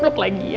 cepat lagi ya